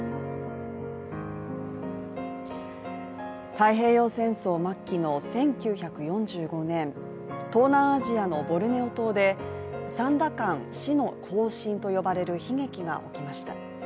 太平洋戦争末期の１９４５年、東南アジアのボルネオ島でサンダカン死の行進と呼ばれる悲劇が起きました。